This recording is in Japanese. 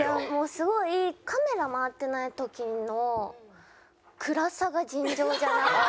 すごいカメラ回ってない時の暗さが尋常じゃなくて。